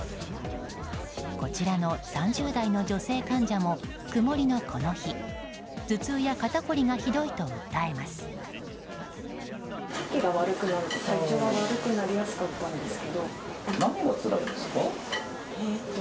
こちらの３０代の女性患者も曇りのこの日頭痛や肩こりがひどいと訴えます。